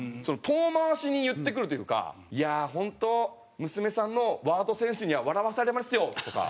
遠回しに言ってくるというか「いやあ本当娘さんのワードセンスには笑わされますよ」とか。